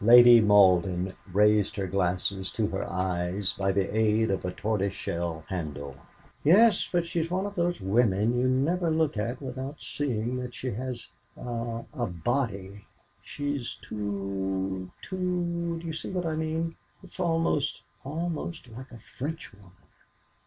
Lady Malden raised her glasses to her eyes by the aid of a tortoise shell handle. "Yes, but she's one of those women you never can look at without seeing that she has a a body. She's too too d'you see what I mean? It's almost almost like a Frenchwoman!"